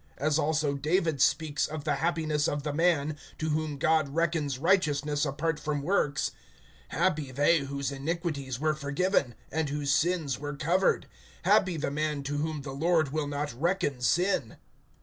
(6)As also David speaks of the happiness of the man, to whom God reckons righteousness, apart from works: (7)Happy they, whose iniquities were forgiven, And whose sins were covered; (8)Happy the man to whom the Lord will not reckon sin!